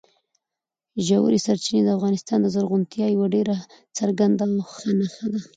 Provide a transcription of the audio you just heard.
ژورې سرچینې د افغانستان د زرغونتیا یوه ډېره څرګنده او ښه نښه ده.